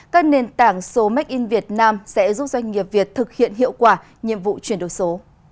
các nền tảng số make in việt nam sẽ giúp doanh nghiệp việt thực hiện hiệu quả nhiệm vụ chuyển đổi số